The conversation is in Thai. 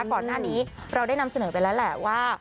ก่อนหน้านี้เราได้นำเสนอไปแล้วแหละว่า